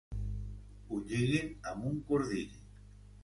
Ho lliguin amb un cordill.